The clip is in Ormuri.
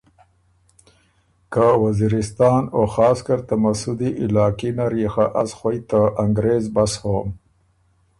که وزیرستان او خاص کر ته مسُودی علاقي نر يې از خوئ ته انګرېز بس هوم۔